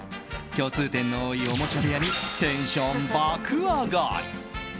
共通点の多いおもちゃ部屋にテンション爆上がり！